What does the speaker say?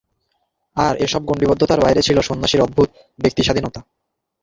আর, এ-সব গণ্ডীবদ্ধতার বাইরে ছিল সন্ন্যাসীর অদ্ভুত ব্যক্তিস্বাধীনতা।